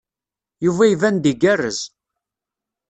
Yuba iban-d igerrez.